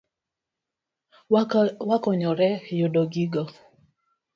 Wakonyre yudo gigo